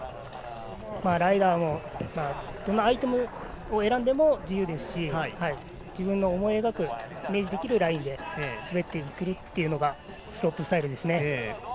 ライダーもどのアイテムを選んでも自由ですし、自分の思い描くイメージできるラインで滑ってくるというのがスロープスタイルですね。